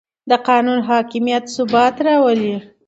د قانون حاکمیت ثبات راولي